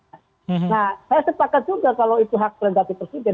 nah saya sepakat juga kalau itu hak prerogatif presiden